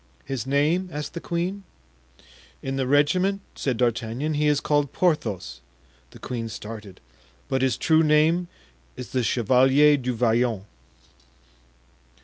"His name?" asked the queen. "In the regiment," said D'Artagnan, "he is called Porthos" (the queen started), "but his true name is the Chevalier du Vallon."